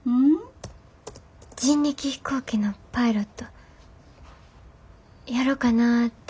人力飛行機のパイロットやろかなて迷てるんや。